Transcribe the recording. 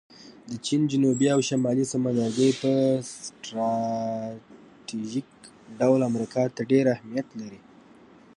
د چین جنوبي او شمالي سمندرګی په سټراټیژیک ډول امریکا ته ډېر اهمیت لري